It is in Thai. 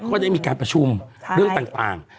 ก็ได้มีการประชุมเรื่องต่าง